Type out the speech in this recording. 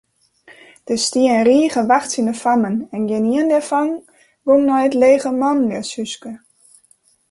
Der stie in rige wachtsjende fammen en gjinien dêrfan gong nei it lege manljushúske.